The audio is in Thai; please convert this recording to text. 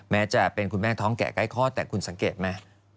แม้จะเป็นคุณแม่ท้องแก่ใกล้คลอดแต่คุณสังเกตไหม